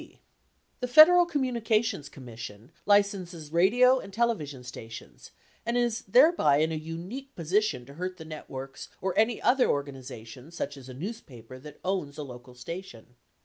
1208 The Federal Communications Commission licenses radio and tele vision stations, and is thereby in a unique position to hurt the networks or any other organization such as a newspaper that owns a local sta tion.